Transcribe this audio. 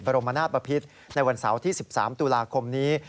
รมนาศบพิษในวันเสาร์ที่๑๓ตุลาคมนี้